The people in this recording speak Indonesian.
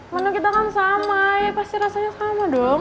menu kita kan sama ya pasti rasanya sama dong